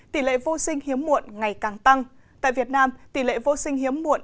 tỷ lệ vô sinh hiếm muộn ngày càng tăng tại việt nam tỷ lệ vô sinh hiếm muộn